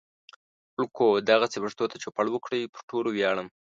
وړکو دغسې پښتو ته چوپړ وکړئ. پو ټولو وياړم